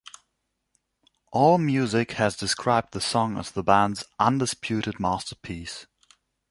AllMusic has described the song as the band's "undisputed masterpiece".